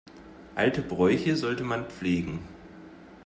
Alte Bräuche sollte man pflegen.